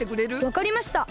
わかりました。